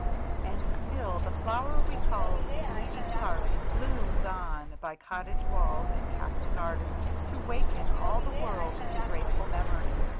_And still the flower we call BLEEDING HEART blooms on by cottage walls and castle gardens, to waken all the world to grateful memories.